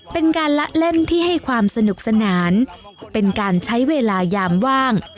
เป็นการละเล่นที่ให้ความสนุกสนานเป็นการใช้เวลายามว่าง